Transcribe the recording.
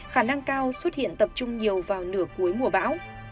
khả năng cao xuất hiện tập trung nhiều vào nửa cuối mùa bão